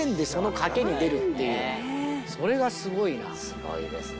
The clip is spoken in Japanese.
すごいですね。